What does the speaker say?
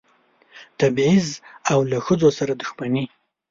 تبعیض او له ښځو سره دښمني.